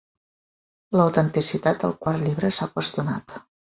L'autenticitat del quart llibre s'ha qüestionat.